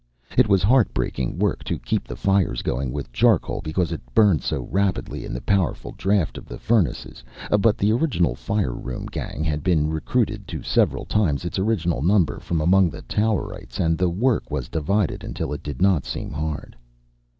It was heart breaking work to keep the fires going with charcoal, because it burned so rapidly in the powerful draft of the furnaces, but the original fire room gang had been recruited to several times its original number from among the towerites, and the work was divided until it did not seem hard.